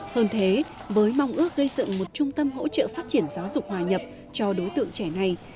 hơn thế với mong ước gây dựng một trung tâm hỗ trợ phát triển giáo dục hòa nhập cho đối tượng trẻ này